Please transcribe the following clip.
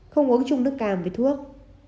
không uống chung nước cam với thuốc